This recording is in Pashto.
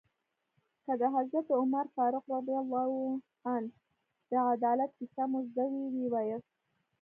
که د حضرت عمر فاروق رض د عدالت کیسه مو زده وي ويې وایاست.